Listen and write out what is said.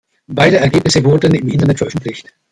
Beider Ergebnisse wurden im Internet veröffentlicht.